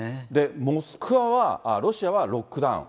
モスクワは、ロシアはロックダウン。